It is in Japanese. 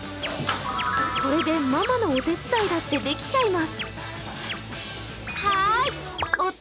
ママのお手伝いだってできちゃいます。